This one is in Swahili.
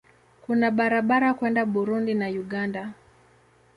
Kuna barabara kwenda Burundi na Uganda.